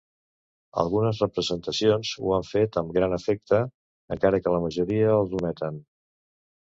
Algunes representacions ho han fet amb gran efecte, encara que la majoria els ometen.